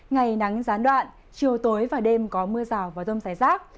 ngày nắng gián đoạn chiều tối và đêm có mưa rào và rông rải rác